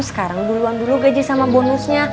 sekarang duluan dulu gaji sama bonusnya